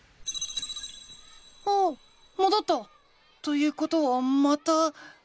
おおっもどった！ということはまた。